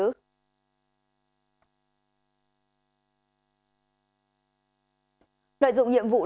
đội dụng nhiệm vụ đối tượng nguyễn viết mạnh